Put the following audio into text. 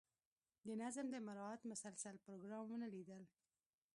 د نظم د مراعات مسلسل پروګرام ونه لیدل.